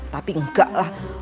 tapi enggak lah